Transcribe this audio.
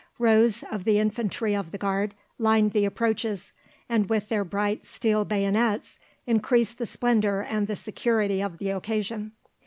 Rows of the Infantry of the Guard lined the approaches, and with their bright steel bayonets increased the splendour and the security of the occasion.